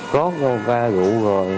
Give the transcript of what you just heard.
rót ra rượu rồi